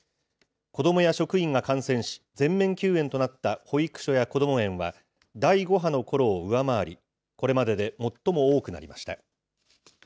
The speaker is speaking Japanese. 子どもや職員が感染し、全面休園となった保育所やこども園は第５波のころを上回り、これまでで最も多くなりました。